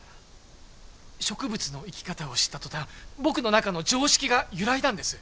植物の生き方を知った途端僕の中の常識が揺らいだんです。